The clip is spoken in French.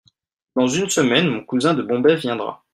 Dans une semaine mon cousin de Bombay viendra.